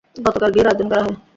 গতকাল বিয়ের আয়োজন করা হয়।